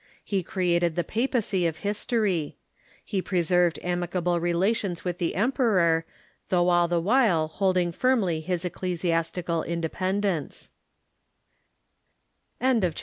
lie created the papacy of history. lie preserved amicable relations with the emperor, though all the while holding firmly his ecclesiastical independence.